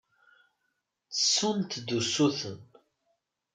Ttessunt-d usuten.